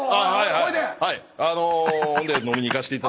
ほいで？